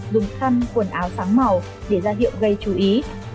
dùng khăn quần áo trắng màu để ra hiệu gây chú ý